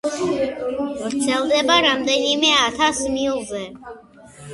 ვრცელდება რამდენიმე ათას მილზე.